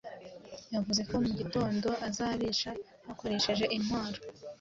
Yavuze ko mugitondo azabica bakoresheje intwaro